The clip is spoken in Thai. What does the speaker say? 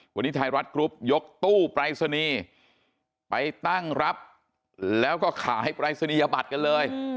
วันนี้ไทยรัฐกรุ๊ปยกตู้ปรายศนีย์ไปตั้งรับแล้วก็ขายปรายศนียบัตรกันเลย